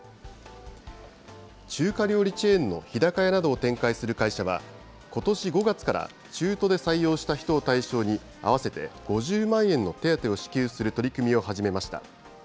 中華料理チェーンの日高屋などを展開する会社は、ことし５月から中途で採用した人を対象に、合わせて５０万円の手当を支給する取り組みを始めました。